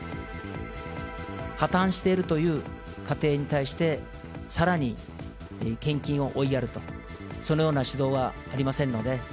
破綻しているという家庭に対して、さらに献金を追いやると、そのような指導はありませんので。